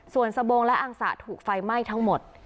ส่วนสบงและอังสะถูกไฟไหม้ทั้งหมด